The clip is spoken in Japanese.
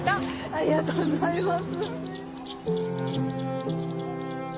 ありがとうございます。